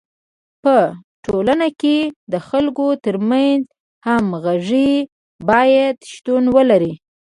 په ټولنه کي د خلکو ترمنځ همږغي باید شتون ولري.